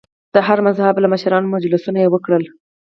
د هر مذهب له مشرانو مجلسونه وکړل.